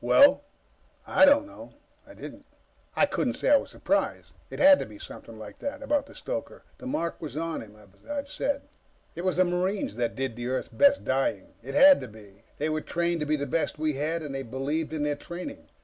"Well?" "I don't know." I didn't. I couldn't say I was surprised. It had to be something like that, about the stoker. The mark was on him, as I've said. It was the Marines that did Earth's best dying. It had to be. They were trained to be the best we had, and they believed in their training.